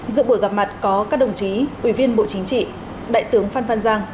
dự buổi gặp mặt có các đồng chí ủy viên bộ chính trị đại tướng phan phan giang